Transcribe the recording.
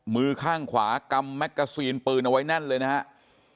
มือข้างขวากำแมกกาซีนปืนเอาไว้แน่นเลยนะครับ